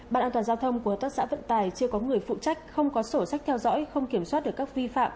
bàn an toàn giao thông của hợp tác xã vận tài chưa có người phụ trách không có sổ sách theo dõi không kiểm soát được các vi phạm